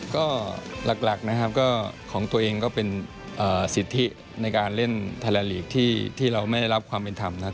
ก็หลักนะครับก็ของตัวเองก็เป็นสิทธิในการเล่นไทยแลนดลีกที่เราไม่ได้รับความเป็นธรรมนะครับ